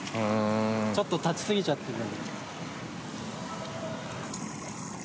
ちょっと立ちすぎちゃってた。